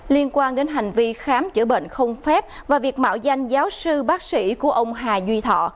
liên quan đến hành vi khám chữa bệnh không phép và việc mạo danh giáo sư bác sĩ của ông hà duy thọ